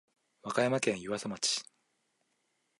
和歌山県湯浅町